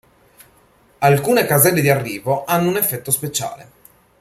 Alcune caselle di arrivo hanno un effetto speciale.